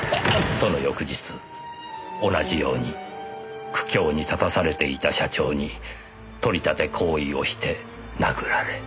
その翌日同じように苦境に立たされていた社長に取り立て行為をして殴られ。